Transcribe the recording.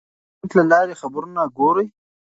آیا ته د انټرنیټ له لارې خبرونه ګورې؟